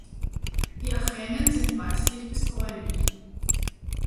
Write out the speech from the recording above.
Die Achänen sind weißlich bis bräunlich.